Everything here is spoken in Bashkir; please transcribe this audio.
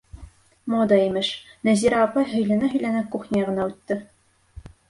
Мода, имеш, -Нәзирә апай һөйләнә-һөйләнә кухня яғына үтте.